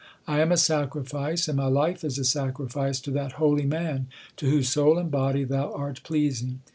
1 am a sacrifice and my life is a sacrifice to that holy man to whose soul and body Thou art pleasing.